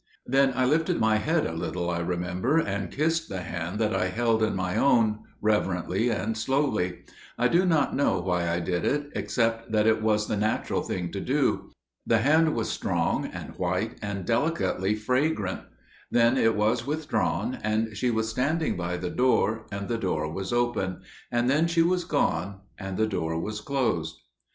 "Then I lifted my head a little, I remember, and kissed the hand that I held in my own, reverently and slowly. I do not know why I did it, except that it was the natural thing to do. The hand was strong and white, and delicately fragrant. Then it was withdrawn, and she was standing by the door, and the door was open; and then she was gone, and the door was closed.